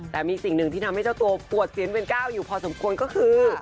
แต่มีสิ่งหนึ่งที่ทำให้เจ้าตัวปวดเสียนเวียนก้าวอยู่พอสมควรก็คือ